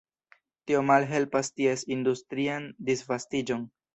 Tio malhelpas ties industrian disvastiĝon.